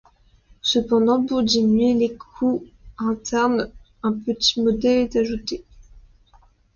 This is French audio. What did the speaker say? Cependant, pour diminuer les à-coups internes, un petit module est ajouté.